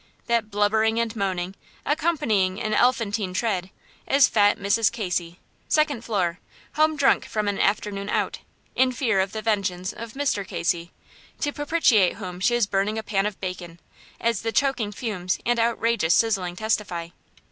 That blubbering and moaning, accompanying an elephantine tread, is fat Mrs. Casey, second floor, home drunk from an afternoon out, in fear of the vengeance of Mr. Casey; to propitiate whom she is burning a pan of bacon, as the choking fumes and outrageous sizzling testify.